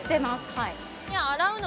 はい